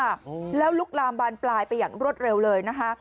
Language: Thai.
โอ้โหแล้วลุกลามบานปลายไปอย่างรวดเร็วเลยนะคะ